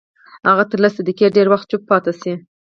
هغه تر لس دقيقې ډېر وخت چوپ پاتې شو.